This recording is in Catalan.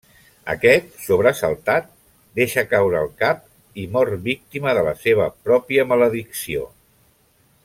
Aquest, sobresaltat, deixa caure el cap i mor víctima de la seva pròpia maledicció.